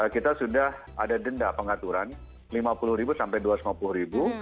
kita sudah ada denda pengaturan rp lima puluh sampai rp dua ratus lima puluh